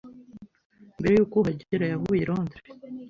Mbere yuko uhagera, yavuye i Londres.